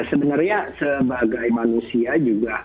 sebenarnya sebagai manusia juga